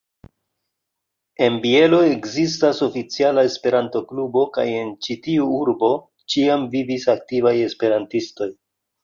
En Bielo ekzistas oficiala Esperanto-klubo, kaj en ĉi-tiu urbo ĉiam vivis aktivaj Esperantistoj.